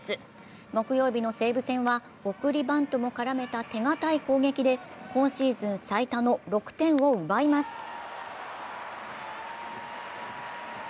木曜日の西武戦は送りバントも絡めた手堅い攻撃で今シーズン最多の６点を奪います。